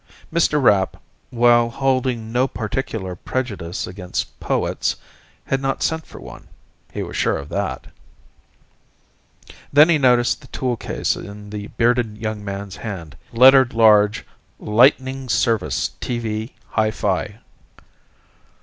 Mr. Rapp, while holding no particular prejudice against poets, had not sent for one, he was sure of that. Then he noticed the toolcase in the bearded young man's hand, lettered large LIGHTNING SERVICE, TV, HI FI.